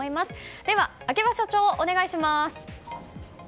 では、秋葉社長、お願いします！